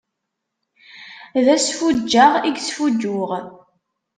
D asfuǧǧeɣ i yesfuǧǧuɣ.